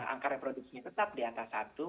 angka reproduksinya tetap di atas satu